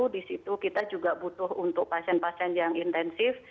di situ kita juga butuh untuk pasien pasien yang intensif